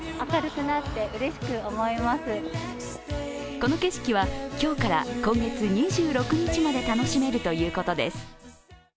この景色は、今日から今月２６日まで楽しめるということです。